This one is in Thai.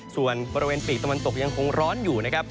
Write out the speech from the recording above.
ส่วนบริเวณปีกตะวันตกยังคงร้อนอยู่นะครับ